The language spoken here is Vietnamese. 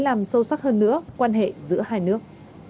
làm sâu sắc hơn nữa quan hệ giữa hai nước